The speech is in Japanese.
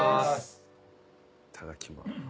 いただきます。